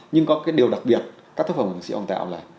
nhưng có cái điều đặc biệt các tác phẩm của nhạc sĩ hoàng tạo là